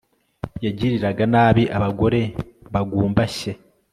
yagiriraga nabi abagore bagumbashye